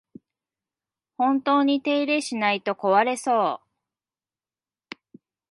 本当に手入れしないと壊れそう